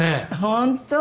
本当。